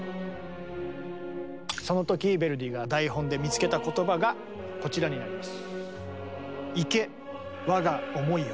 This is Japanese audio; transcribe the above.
その時ヴェルディが台本で見つけた言葉がこちらになります。